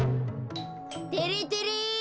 てれてれ！